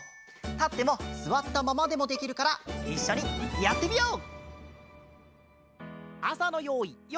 たってもすわったままでもできるからいっしょにやってみよう！